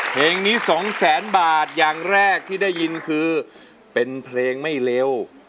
เพลงนี้สองแสนบาทอย่างแรกที่ได้ยินคือเป็นเพลงไม่เร็ว